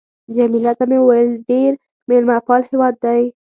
جميله ته مې وویل: ډېر مېلمه پال هېواد دی.